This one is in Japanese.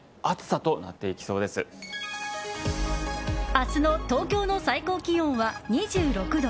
明日の東京の最高気温は２６度。